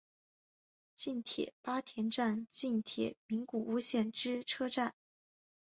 近铁八田站近铁名古屋线之车站。